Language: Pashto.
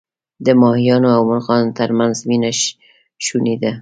د ماهیانو او مرغانو ترمنځ مینه شوني ده.